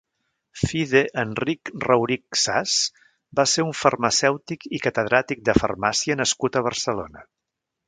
Fide Enric Raurich Sas va ser un farmacèutic i catedràtic de farmàcia nascut a Barcelona.